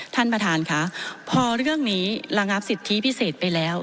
ท่านประธานค่ะพอเรื่องนี้ระงับสิทธิพิเศษไปแล้ว